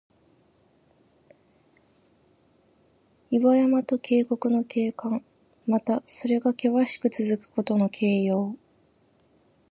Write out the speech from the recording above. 岩山と渓谷の景観。また、それがけわしくつづくことの形容。